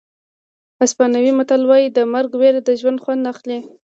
اسپانوي متل وایي د مرګ وېره د ژوند خوند اخلي.